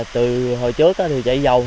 từ hồi trước tôi đã nuôi tôm hai mươi mấy năm rồi